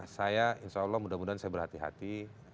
saya insya allah mudah mudahan saya berhati hati